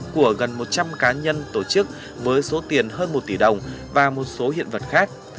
của gần một trăm linh cá nhân tổ chức với số tiền hơn một tỷ đồng và một số hiện vật khác